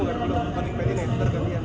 promo berapa tuh harganya